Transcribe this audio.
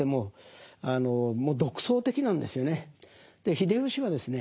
秀吉はですね